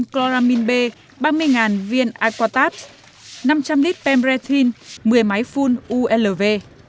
năm chloramin b ba mươi viên aquatab năm trăm linh lít pemretin một mươi máy phun ulv